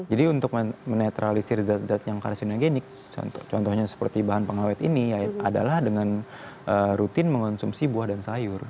jadi untuk menetralisir zat zat yang kalsinogenik contohnya seperti bahan pengelawet ini adalah dengan rutin mengonsumsi buah dan sayur